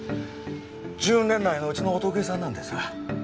１０年来のうちのお得意さんなんですわ。